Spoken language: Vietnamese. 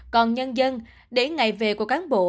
còn nhân dân để ngày về của cán bộ